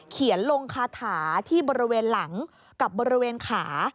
เขียนลงคาถาที่บริเวณหลังกับบริเวณขา